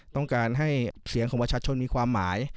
ต้องการให้เสียงของประชาชนมีความหมาย